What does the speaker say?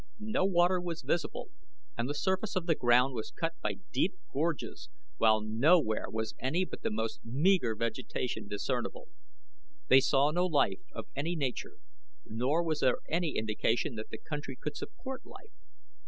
No water was visible and the surface of the ground was cut by deep gorges, while nowhere was any but the most meager vegetation discernible. They saw no life of any nature, nor was there any indication that the country could support life.